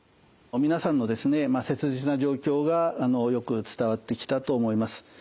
皆さんの切実な状況がよく伝わってきたと思います。